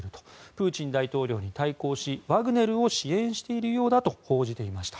プーチン大統領に対抗しワグネルを支援しているようだと報じていました。